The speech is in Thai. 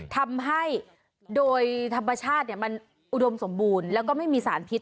ทำให้โดยธรรมชาติมันอุดมสมบูรณ์แล้วก็ไม่มีสารพิษ